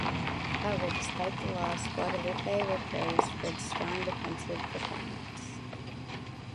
However, despite the loss, Guadeloupe were praised for its strong defensive performance.